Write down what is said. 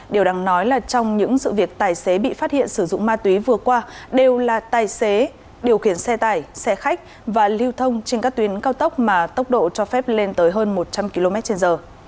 điều đáng nói là trong những sự việc tài xế bị phát hiện sử dụng ma túy vừa qua đều là tài xế điều khiển xe tải xe khách và lưu thông trên các tuyến cao tốc mà tốc độ cho phép lên tới hơn một trăm linh km trên giờ